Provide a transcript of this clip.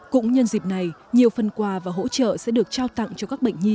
cũng nhân dịp này nhiều phần quà và hỗ trợ sẽ được trao tặng cho các bệnh nhi